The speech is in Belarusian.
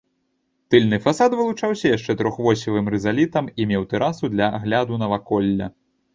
Тыльны фасад вылучаўся яшчэ трохвосевым рызалітам і меў тэрасу для агляду наваколля.